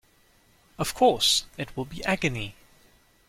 Of course, it will be agony.